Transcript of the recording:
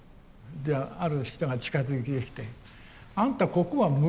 じゃあある人が近づいてきて「『あんたここは村だよ。